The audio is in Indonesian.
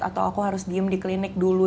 atau aku harus diem di klinik dulu